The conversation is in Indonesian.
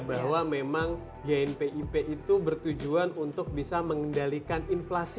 bahwa memang gnpip itu bertujuan untuk bisa mengendalikan inflasi